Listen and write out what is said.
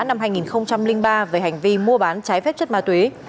năm hai nghìn ba về hành vi mua bán trái phép chất ma túy